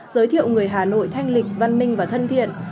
giới thiệu người hà nội thanh lịch văn minh và thân thiện